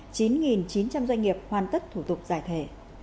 chín chín trăm linh doanh nghiệp hoàn tất thủ tục giải thể